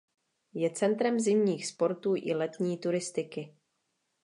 Je centrem zimních sportů i letní turistiky.